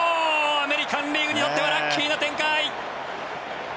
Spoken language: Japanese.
アメリカン・リーグにとってはラッキーな展開。